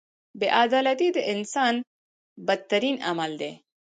• بې عدالتي د انسان بدترین عمل دی.